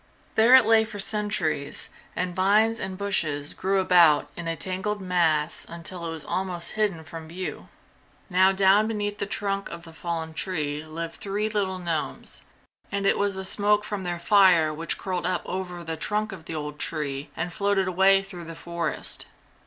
There it lay for centuries, and vines and bushes grew about in a tangled mass until it was almost hidden from view. Now down beneath the trunk of the fallen tree lived three little gnomes, and it was the smoke from their fire which curled up over the trunk of the old tree and floated away through the forest.